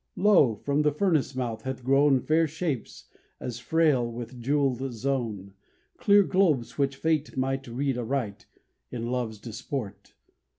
Lo! from the furnace mouth hath grown Fair shapes, as frail, with jewelled zone Clear globes which fate might read aright In love's disport.